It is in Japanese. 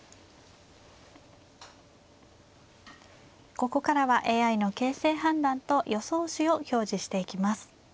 ここからはＡＩの形勢判断と予想手を表示していきます。